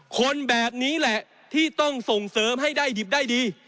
คนแบบนี้แหละที่ต้องส่งเสริมให้ได้ดิบได้ดี